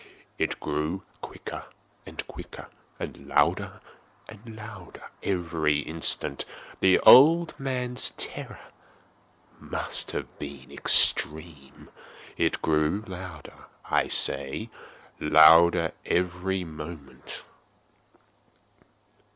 It grew quicker and quicker, and louder and louder every instant. The old man's terror must have been extreme! It grew louder, I say, louder every moment!